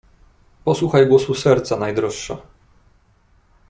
"Posłuchaj głosu serca, najdroższa!"